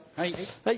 はい。